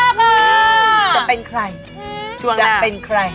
จะเป็นใครช่วงหน้าจะเป็นใคร